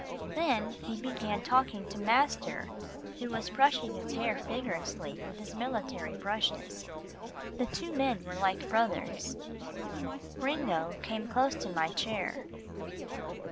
Then he began talking to master who was brushing his hair vigorously with his military brushes. The two men were like brothers. Gringo came close to my chair.